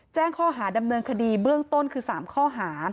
แจ้งข้อหาดำเนินคดีเบื้องต้นคือ๓ข้อหา